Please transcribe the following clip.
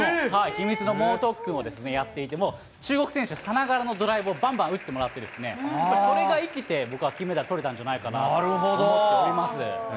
秘密の猛特訓をやっていても、中国選手さながらのドライブをばんばん打ってもらって、それが生きて、僕は金メダルとれたんじゃないかなと思っております。